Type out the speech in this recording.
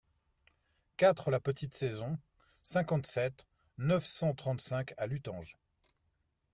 quatre la Petite Saison, cinquante-sept, neuf cent trente-cinq à Luttange